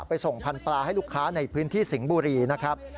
ส่งพันธุ์ปลาให้ลูกค้าในพื้นที่สิงห์บุรีนะครับ